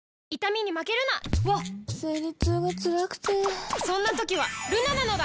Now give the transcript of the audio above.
わっ生理痛がつらくてそんな時はルナなのだ！